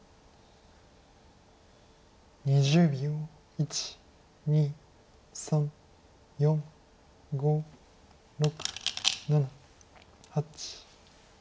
１２３４５６７８。